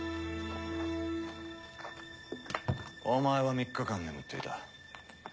お前は３日間眠っていた。